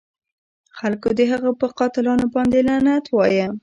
خلکو د هغه په قاتلانو باندې لعنت وایه.